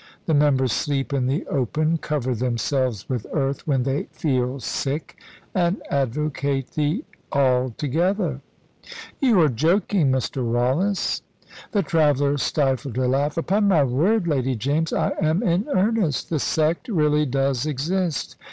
The members sleep in the open, cover themselves with earth when they feel sick, and advocate the altogether." "You are joking, Mr. Wallace." The traveller stifled a laugh. "Upon my word, Lady James, I am in earnest. The sect really does exist.